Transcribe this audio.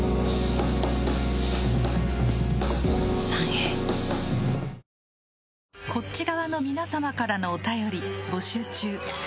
ホーユーこっち側の皆様からのお便り募集中。